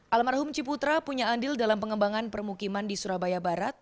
almarhum ciputra punya andil dalam pengembangan permukiman di surabaya barat